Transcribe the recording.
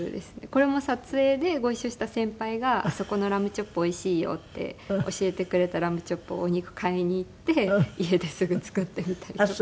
これも撮影でご一緒した先輩が「あそこのラムチョップおいしいよ」って教えてくれたラムチョップをお肉買いに行って家ですぐ作ってみたりとか。